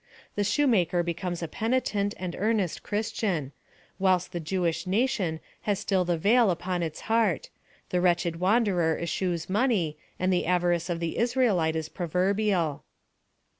The shoemaker becomes a penitent, and earnest Christian, whilst the Jewish nation has still the veil upon its heart; the wretched wanderer eschews money, and the avarice of the Israelite is proverbial.